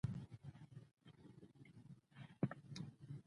د کندهار ښاروالۍ مهمه خبرتيا